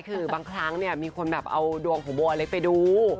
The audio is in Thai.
คือบางครั้งมีคนเอาดวงของโบอะไรไปดู